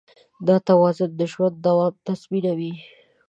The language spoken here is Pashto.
دا توازن د ژوند دوام تضمینوي.